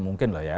mungkin lah ya